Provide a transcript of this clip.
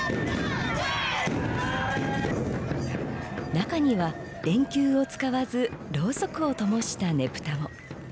中には電球を使わずろうそくをともしたねぷたも。